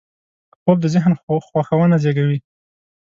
خوب د ذهن خوښونه زېږوي